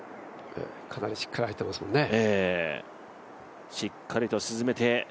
かなりしっかり入ってますもんね。